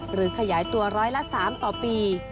หรือขยายตัว๑๐๓ต่อปี